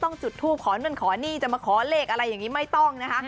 จุดทูปขอนู่นขอนี่จะมาขอเลขอะไรอย่างนี้ไม่ต้องนะคะ